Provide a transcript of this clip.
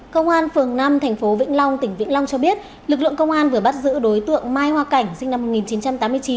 công an phường năm tp vĩnh long tỉnh vĩnh long cho biết lực lượng công an vừa bắt giữ đối tượng mai hoa cảnh sinh năm một nghìn chín trăm tám mươi chín